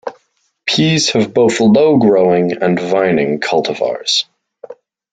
Peas have both low-growing and vining cultivars.